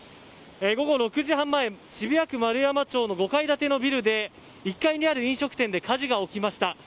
午後６時半前渋谷区円山町の５階のビルで１階にある飲食店で火事が起きました。